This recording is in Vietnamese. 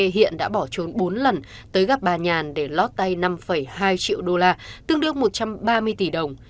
hiện đã bỏ trốn bốn lần tới gặp bà nhàn để lót tay năm hai triệu đô la tương đương một trăm ba mươi tỷ đồng